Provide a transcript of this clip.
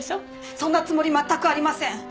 そんなつもり全くありません。